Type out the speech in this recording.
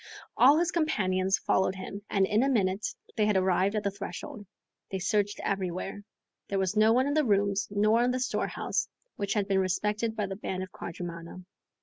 All his companions followed him, and in a minute they had arrived at the threshold. They searched everywhere. There was no one in the rooms nor in the storehouse, which had been respected by the band of quadrumana.